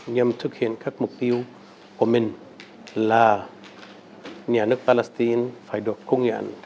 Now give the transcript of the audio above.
nhằm thực hiện các mục tiêu của mình là nhà nước palestine phải được công nhận